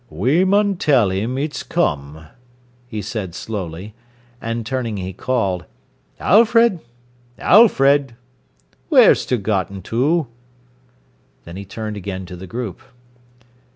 "We mun tell 'im it's come," he said slowly, and turning he called: "Alfred Alfred! Wheer's ter gotten to?" Then he turned again to the group.